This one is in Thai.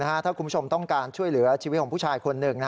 ถ้าคุณผู้ชมต้องการช่วยเหลือชีวิตของผู้ชายคนหนึ่ง